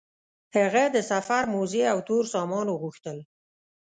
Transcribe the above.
هغه د سفر موزې او تور سامان وغوښتل.